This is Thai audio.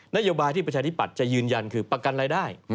นโยบายที่ประชาธิปัตย์จะยืนยันคือประกันรายได้